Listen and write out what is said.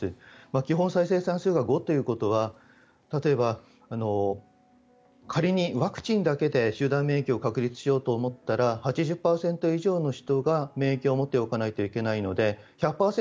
基本再生産数が５ということは例えば、仮にワクチンだけで集団免疫を確立しようと思ったら８０％以上の人が、免疫を持っておかないといけないので１００％